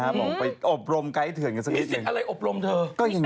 เขาลองไปอบรมไกท์เถือนสักนิดหนึ่ง